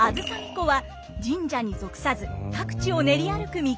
梓巫女は神社に属さず各地を練り歩く巫女。